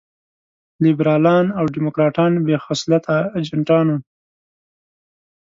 لېبرالان او ډيموکراټان بې خصلته اجنټان وو.